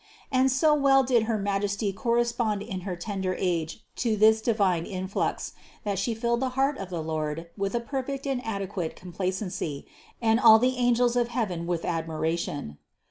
And so well did her Majesty correspond in her tender age to this divine influx, that She filled the heart of the Lord with a perfect and adequate complacency, and all the angels of heaven with admiration.